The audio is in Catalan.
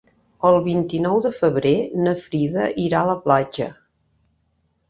El vint-i-nou de febrer na Frida irà a la platja.